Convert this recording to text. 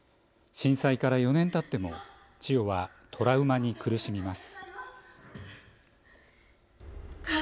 震災から４年たっても千代はトラウマに苦しみます。